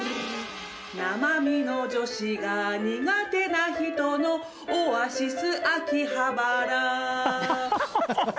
生身の女子が苦手な人のオアシス